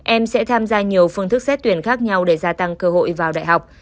em sẽ tham gia nhiều phương thức xét tuyển khác nhau để gia tăng cơ hội vào đại học